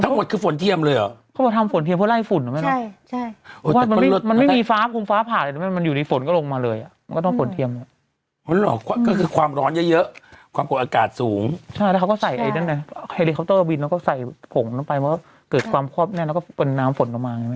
หวัดถึงเขางบไปออกมากรุ่นเตอร์วินแล้วก็ใส่ผงเข้าไปเกิดความครอบแน่แล้วก็เป็นน้ำฝนลงมา